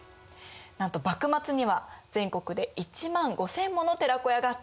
なんと幕末には全国で１万５，０００もの寺子屋があったといわれています。